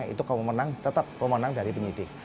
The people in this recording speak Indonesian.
itu pemenang tetap pemenang dari penyidik